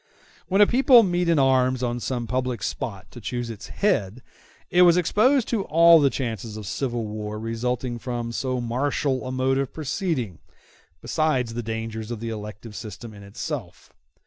When a people met in arms on some public spot to choose its head, it was exposed to all the chances of civil war resulting from so martial a mode of proceeding, besides the dangers of the elective system in itself.